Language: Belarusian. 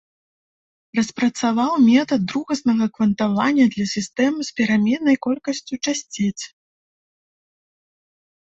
Распрацаваў метад другаснага квантавання для сістэм з пераменнай колькасцю часціц.